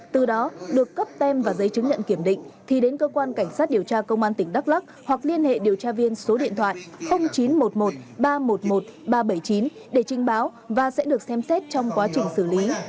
từ đó được cấp tem và giấy chứng nhận kiểm định thì đến cơ quan cảnh sát điều tra công an tỉnh đắk lắc hoặc liên hệ điều tra viên số điện thoại chín trăm một mươi một ba trăm một mươi một ba trăm bảy mươi chín để trình báo và sẽ được xem xét trong quá trình xử lý